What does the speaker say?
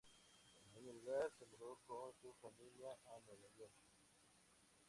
Al año de edad se mudó con su familia a Nueva York.